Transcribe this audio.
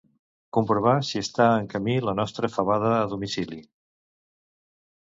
Comprovar si està en camí la nostra fabada a domicili.